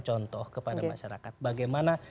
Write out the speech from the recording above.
contoh kepada masyarakat bagaimana